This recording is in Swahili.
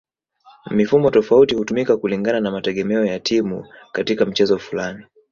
Mifumo tofauti hutumika kulingana na mategemeo ya timu katika mchezo fulani